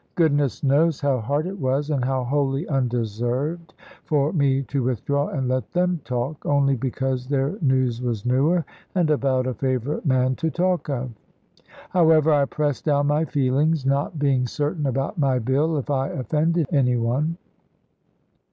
Goodness knows how hard it was, and how wholly undeserved, for me to withdraw and let them talk, only because their news was newer, and about a favourite man to talk of. However, I pressed down my feelings, not being certain about my bill, if I offended any one.